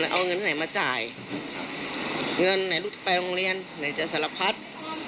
แล้วเอาเงินให้ไม่มาจ่ายนายชุดไปโรงเรียนไหนจะสารพัฒน์